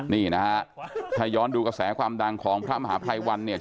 นี่นะฮะถ้าย้อนดูกระแสความดังของพระมหาภัยวันเนี่ย